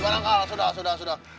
gak ada kalah sudah sudah sudah